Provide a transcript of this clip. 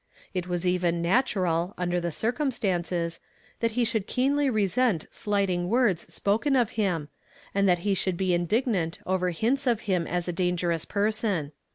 It was even natural, under the circumstances, that lie should keeidy resent slight ing words spoken of liim, and that he should be indignant over liint« of him as a dangerous person.